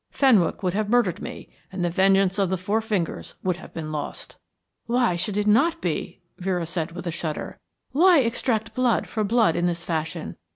Fenwick would have murdered me, and the vengeance of the Four Fingers would have been lost." "Why should it not be?" Vera said with a shudder. "Why extract blood for blood in this fashion?